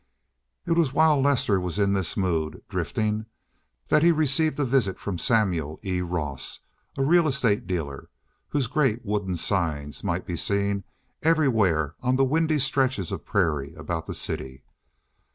It was while Lester was in this mood, drifting, that he received a visit from Samuel E. Ross, a real estate dealer, whose great, wooden signs might be seen everywhere on the windy stretches of prairie about the city.